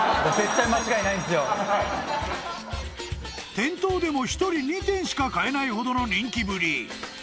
［店頭でも１人２点しか買えないほどの人気ぶり］